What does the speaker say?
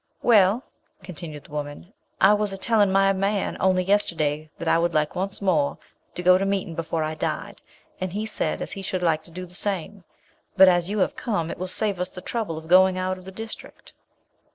'Well,' continued the woman, 'I was a tellin' my man only yesterday that I would like once more to go to meetin' before I died, and he said as he should like to do the same. But as you have come, it will save us the trouble of going out of the district.'"